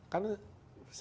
karena sepele ya